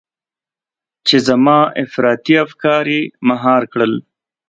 چې زما افراطي افکار يې مهار کړل.